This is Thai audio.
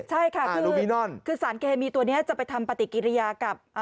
ใช่ค่ะคือสารเคมีตัวนี้จะไปทำปฏิกิริยากับ